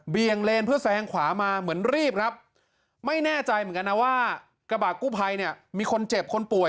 งเลนเพื่อแซงขวามาเหมือนรีบครับไม่แน่ใจเหมือนกันนะว่ากระบาดกู้ภัยเนี่ยมีคนเจ็บคนป่วย